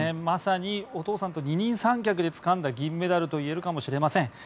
まさにお父さんと二人三脚でつかんだ銀メダルといえるかもしれません。